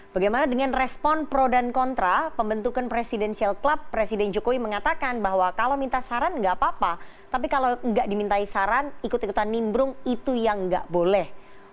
bagaimana dengan respon pro dan kontra pembentukan presidential club presiden jokowi mengatakan bahwa kalau minta saran nggak apa apa tapi kalau nggak dimintai saran ikut ikutan nimbrung itu yang nggak boleh